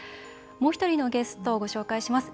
もう１人のゲストをご紹介します。